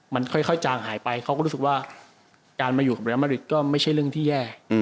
มันค่อยจางหายไปเขาก็รู้สึกว่าการมาอยู่กับเรียลมาริดก็ไม่ใช่เรื่องที่แย่